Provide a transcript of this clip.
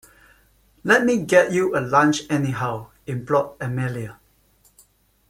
“Let me get you a lunch anyhow,” implored Amelia.